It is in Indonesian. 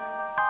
dia tidak tahu